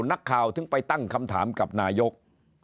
นักข่าวถึงไปตั้งคำถามกับนายก